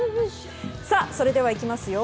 それではいきますよ！